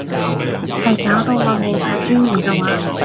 係搞到我冇晒尊嚴嘅話